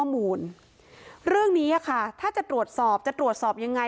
เรื่องนี้ค่ะถ้าจะตรวจสอบจะตรวจสอบยังไง